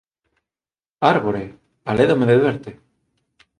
Árbore! Alédome de verte.